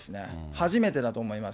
初めてだと思います。